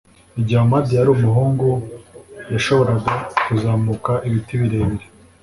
Igihe Ahmad yari umuhungu yashoboraga kuzamuka ibiti birebire